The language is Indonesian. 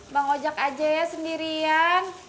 bang ojek aja ya sendirian